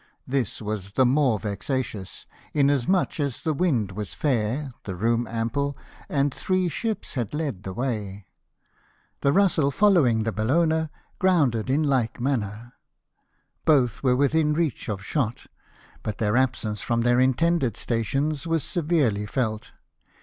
This was the more vexatious, inasmuch as the wind 230 LIFE OF NELSON. was fair, the room ample, and three ships had led the way. The Russell, following the Bellona, grounded in like manner. Both were within reach of shot, but their absence from their intended stations was severely felt.